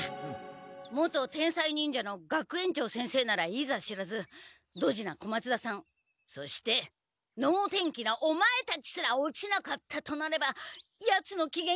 元天才忍者の学園長先生ならいざ知らずドジな小松田さんそしてのうてんきなオマエたちすら落ちなかったとなればヤツのきげんが悪くなるのは明白！